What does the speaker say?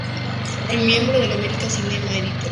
Es miembro del American Cinema Editors.